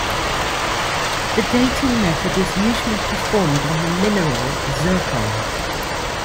The dating method is usually performed on the mineral zircon.